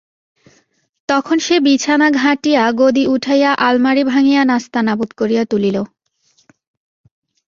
তখন সে বিছানা ঘাঁটিয়া, গদি উঠাইয়া, আলমারি ভাঙিয়া নাস্তানাবুদ করিয়া তুলিল।